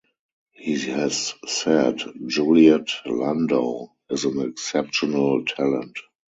He has said, Juliet Landau is an exceptional talent!